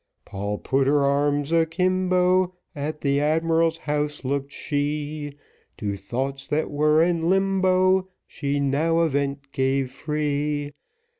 Poll put her arms a kimbo, At the admiral's house looked she, To thoughts that were in limbo, She now a vent gave free.